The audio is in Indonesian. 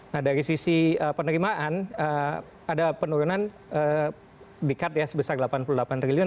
nah dari sisi penerimaan ada penurunan bikat ya sebesar delapan puluh delapan triliun